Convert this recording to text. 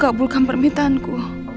tolong kabulkan permintaanku